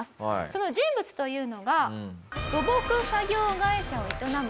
その人物というのが。